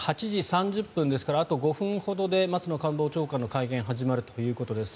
８時３０分ですからあと５分ほどで松野官房長官の会見が始まるということです。